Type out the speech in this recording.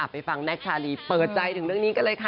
ไปฟังแน็กชาลีเปิดใจถึงเรื่องนี้กันเลยค่ะ